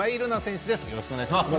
よろしくお願いします。